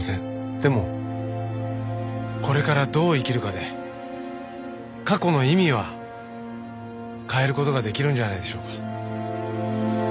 でもこれからどう生きるかで過去の意味は変える事ができるんじゃないでしょうか。